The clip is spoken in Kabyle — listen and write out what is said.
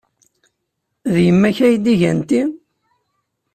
D yemma-k ay d-igan ti?